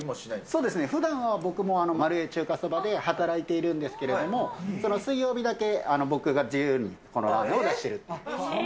そうですね、ふだんは僕もまるえ中華そばで働いているんですけれども、その水曜日だけ、僕が自由にこのラーメンを出してる。